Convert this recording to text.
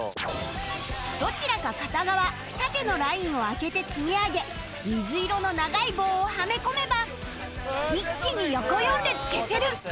どちらか片側縦のラインを空けて積み上げ水色の長い棒をはめ込めば一気に横４列消せる